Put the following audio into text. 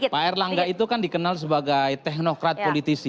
pak erlangga itu kan dikenal sebagai teknokrat politisi